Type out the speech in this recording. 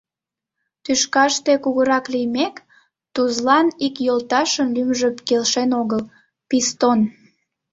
Тӱшкаште кугырак лиймек, Тузлан ик йолташын лӱмжӧ келшен огыл: «Пистон.